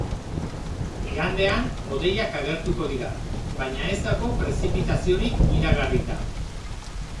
Igandean, hodeiak agertuko dira, baina ez dago prezipitaziorik iragarrita.